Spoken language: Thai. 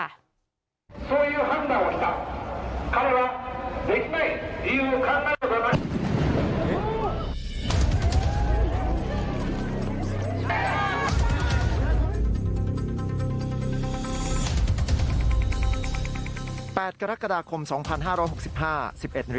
แก้ปัญหาเรื่องกฎหมายกันอย่างไรหรือไม่